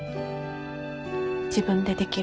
自分でできる。